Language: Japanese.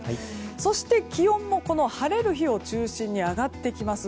そして気温も晴れる日を中心に上がってきます。